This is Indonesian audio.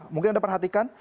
mungkin ada perhatikan